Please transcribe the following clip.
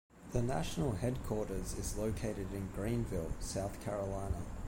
The national headquarters is located in Greenville, South Carolina.